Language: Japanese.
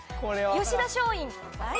吉田松陰。